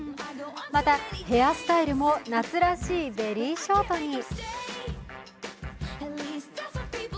またヘアスタイルも夏らしいベリーショートに。